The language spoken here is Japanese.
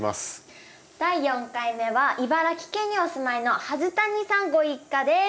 第４回目は茨城県にお住まいの筈谷さんご一家です。